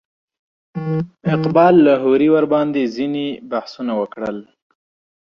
اقبال لاهوري ورباندې ځینې بحثونه وکړل.